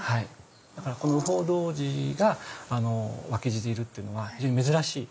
だからこの雨宝童子が脇侍でいるっていうのは非常に珍しい。